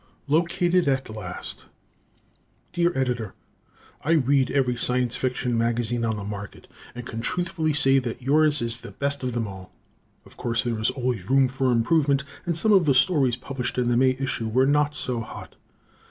Located at Last Dear Editor: I read every Science Fiction magazine on the market, and can truthfully say that yours is the best of them all. Of course, there is always room for improvement, and some of the stories published in the May issue were not so hot.